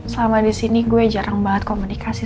selama di sini gue jarang banget komunikasi